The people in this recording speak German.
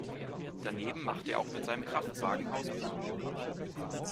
Daneben machte er auch mit seinem Kraftwagen Hausbesuche.